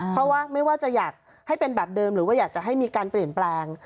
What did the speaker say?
เพราะว่าไม่ว่าจะอยากให้เป็นแบบเดิมหรือว่าอยากจะให้มีการเปลี่ยนแปลง